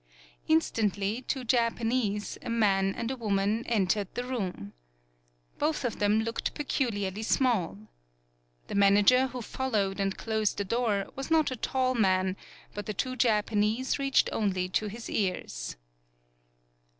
Instantly, two Japanese, a man and a woman, entered the room. Both of them looked peculiarly small. The manager, who followed and closed the door, was not a tall man, but the two Japanese reached only to his ears.